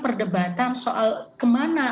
perdebatan soal kemana